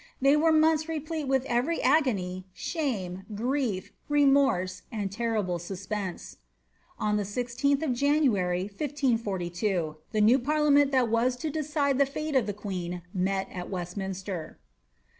They were months replete with every agony, shame, giie^ remorse, and terrible suspense. On the IGth of January, 1542, the new parliament that was to decide the fate of the queen met at Westminster.